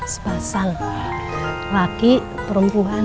sepasang laki perempuan